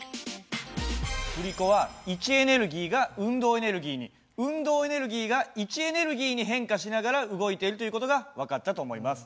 振り子は位置エネルギーが運動エネルギーに運動エネルギーが位置エネルギーに変化しながら動いているという事が分かったと思います。